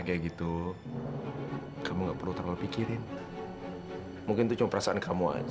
kayak gitu kamu nggak perlu terlalu pikirin mungkin itu cuma perasaan kamu aja